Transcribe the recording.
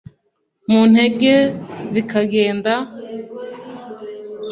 mu ntege zikagenda